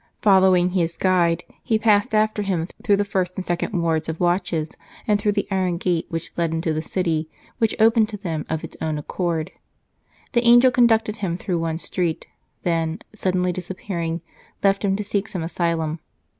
Following his guide, he passed after him through the first and second wards ^ of watches, and through the iron gate which led into the city, which opened to them of its own accord. The angel con ducted him through one street, then, suddenly disappear ing, left him to seek some asylum.